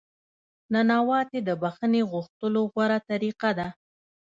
نانواتې د بخښنې غوښتلو غوره طریقه ده.